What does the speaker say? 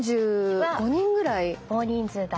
大人数だ。